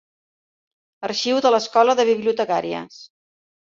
Arxiu de l'Escola de Bibliotecàries.